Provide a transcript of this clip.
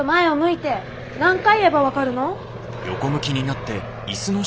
何回言えば分かるの？